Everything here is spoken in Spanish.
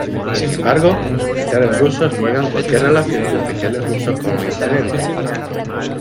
Sin embargo, los militares rusos niegan cualquier relación de oficiales rusos con el incidente.